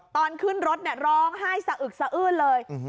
ตอนขึ้นรถร้องไห้สะอึกสะอื้นเลย